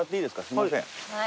すいません。